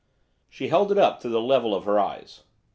She held it up to the level of her eyes.